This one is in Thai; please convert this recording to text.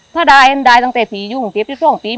ถ้าได้ถ้าได้ตั้งแต่ปียุ่งปีปีปีปีปีปีปี